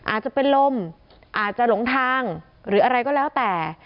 อาจจะเป็นลมอาจจะหลงทางหรืออะไรก็แล้วแต่